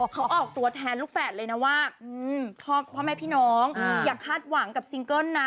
เขาออกตัวแทนลูกแฝดเลยนะว่าพ่อแม่พี่น้องอย่าคาดหวังกับซิงเกิ้ลนะ